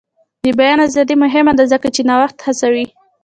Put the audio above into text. د بیان ازادي مهمه ده ځکه چې نوښت هڅوي.